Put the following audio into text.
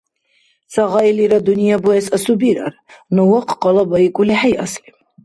Ца гъайлира дунъя буэс асубирар. Ну вахъ къалабаикӀули хӀейасли?